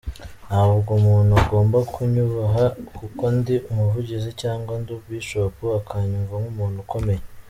Ntabwo umuntu agomba kunyubaha kuko ndi Umuvugizi cyangwa ndi ‘Bishop’ akanyumva nk’umuntu ukomeye.